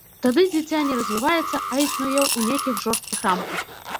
Тады дзіця не развіваецца, а існуе ў нейкіх жорсткіх рамках.